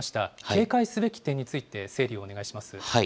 警戒すべき点について、整理をお願いします。